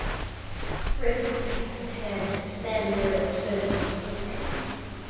Raising his right hand, Standing Bear proceeded to speak.